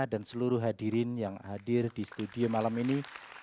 dan seluruh hadirin yang hadir di studio malam ini